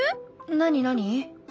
何何？